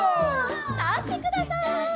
たってください！